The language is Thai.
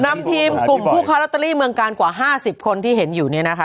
นำทีมกลุ่มผู้ค้าลอตเตอรี่เมืองกาลกว่า๕๐คนที่เห็นอยู่เนี่ยนะคะ